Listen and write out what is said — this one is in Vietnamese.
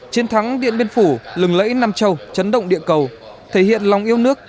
chiến thắng điện biên phủ lừng lẫy nam châu chấn động địa cầu thể hiện lòng yêu nước